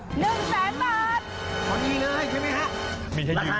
ตอนนี้เลยใช่ไหมครับ